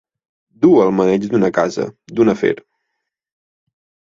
Dur el maneig d'una casa, d'un afer.